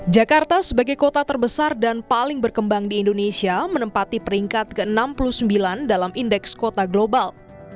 jakarta sebagai kota terbesar dan paling berkembang di indonesia menempati peringkat ke enam puluh sembilan dalam indeks kota global